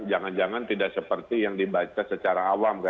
jangan jangan tidak seperti yang dibaca secara awam